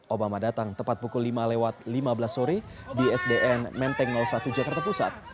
obama datang tepat pukul lima lewat lima belas sore di sdn menteng satu jakarta pusat